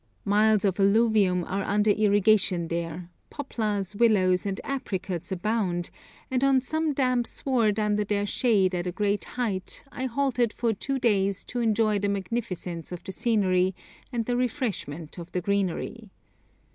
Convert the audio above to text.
Miles of alluvium are under irrigation there, poplars, willows, and apricots abound, and on some damp sward under their shade at a great height I halted for two days to enjoy the magnificence of the scenery and the refreshment of the greenery.